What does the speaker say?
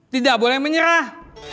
tidak boleh menyerah